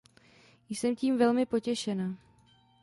Jsem tím velmi potěšena.